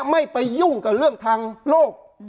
ไม่ไปยุ่งกับเรื่องทางโลก